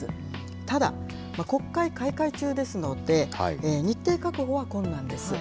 ただ、国会開会中ですので、日程確保は困難です。